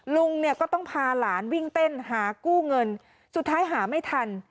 ลุงเนี่ยก็ต้องพาหลานวิ่งเต้นหากู้เงินสุดท้ายหาไม่ทัน